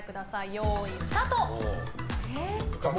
よーい、スタート。